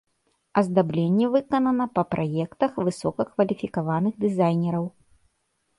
Аздабленне выканана па праектах высокакваліфікаваных дызайнераў.